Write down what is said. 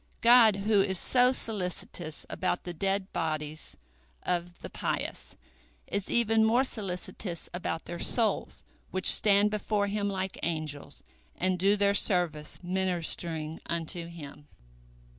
" God, who is so solicitous about the dead bodies of the pious, is even more solicitous about their souls, which stand before Him like angels, and do their service ministering unto Him.